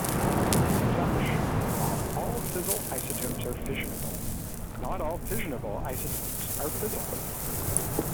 As such, while all fissile isotopes are fissionable, not all fissionable isotopes are fissile.